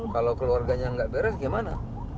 kalau keluarganya nggak beres gimana